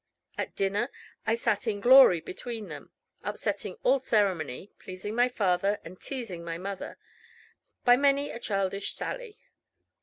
At dinner I sat in glory between them, upsetting all ceremony, pleasing my father, and teasing my mother, by many a childish sally.